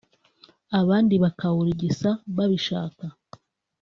abandi bakawurigisa babishaka